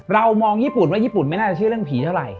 เรามองญี่ปุ่นว่าญี่ปุ่นไม่น่าจะเชื่อเรื่องผีเท่าไหร่